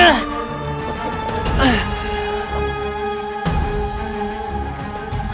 kau ingin menangkan aku